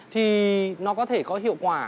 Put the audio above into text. thì nó có thể có hiệu quả